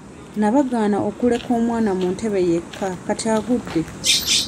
Nabagaana okuleka omwana mu ntebe yekka kati agudde.